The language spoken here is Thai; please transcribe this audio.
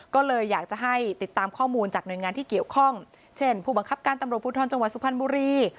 ก็เลยอยากจะให้ติดตามข้อมูลจากหน่วยงานที่เกี่ยวข้องเช่นผู้บังคับการตำรวจภูทรจังหวัดสุพรรณบุรี